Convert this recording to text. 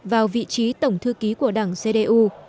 vào vị trí tổng thư ký của đảng cdu